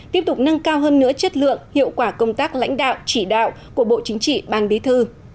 tiếp tục nâng cao hơn nữa chất lượng hiệu quả công tác lãnh đạo chỉ đạo của bộ chính trị ban bí thư